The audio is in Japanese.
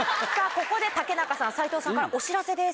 ここで竹中さん斎藤さんからお知らせです。